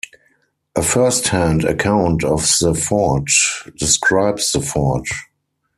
A first-hand account of the fort describes the fort.